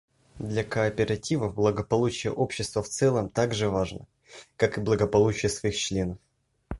Для кооперативов благополучие общества в целом так же важно, как и благополучие своих членов.